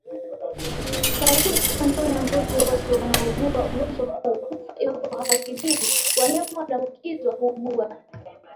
Karibu kondoo na mbuzi wote wanaougua ugonjwa huu hufa iwapo hawatibiwi Wanyama walioambukizwa huugua